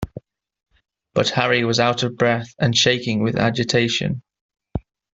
But Harry was out of breath and shaking with agitation.